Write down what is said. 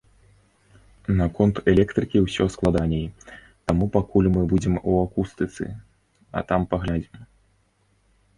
Наконт электрыкі ўсё складаней, таму пакуль мы будзем у акустыцы, а там паглядзім.